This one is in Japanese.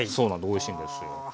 おいしいんですよ。